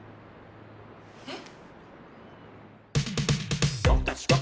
えっ？